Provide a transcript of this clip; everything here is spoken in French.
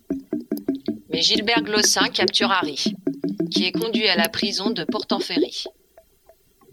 Mais Gilbert Glossin capture Harry, qui est conduit à la prison de Portanferry.